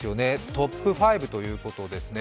トップ５ということですね。